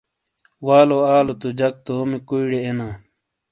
والو آلو تو جک تومی کُویئڑے اینا۔